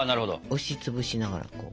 押し潰しながら。